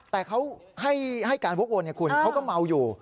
แต่เขาให้การวกวนคุณเขาก็เมาอยู่